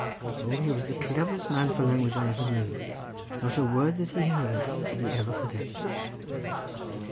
O, he was the cleverest man for language that I ever knew; not a word that he heard did he ever forget."